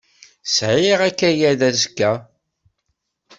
Sɛiɣ akayad azekka.